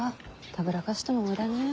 たぶらかしても無駄ね。